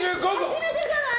初めてじゃない？